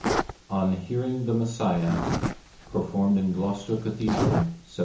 ON HEARING "THE MESSIAH" PERFORMED IN GLOUCESTER CATHEDRAL, SEPT.